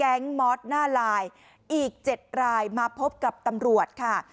มอสหน้าลายอีก๗รายมาพบกับตำรวจค่ะ